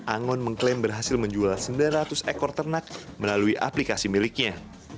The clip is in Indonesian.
angon mengklaim berhasil menjual sembilan ratus ekor ternak melalui aplikasi miliknya